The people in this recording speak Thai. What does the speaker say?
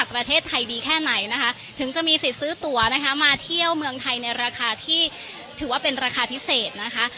ประเทศไทยดีแค่ไหนนะคะถึงจะมีสิทธิ์ซื้อตัวนะคะมาเที่ยวเมืองไทยในราคาที่ถือว่าเป็นราคาพิเศษนะคะ